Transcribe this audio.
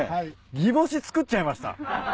擬宝珠作っちゃいました。